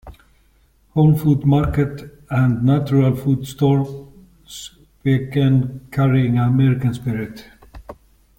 Whole Foods Market and natural food stores began carrying American Spirit.